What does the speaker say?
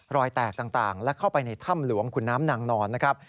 รอยแตกต่างและเข้าไปในถ้ำหลวงขุนน้ำนางนอนนะครับ